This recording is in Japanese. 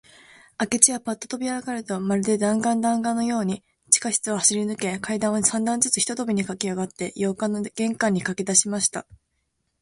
明智はパッととびあがると、まるで弾丸だんがんのように、地下室を走りぬけ、階段を三段ずつ一とびにかけあがって、洋館の玄関にかけだしました。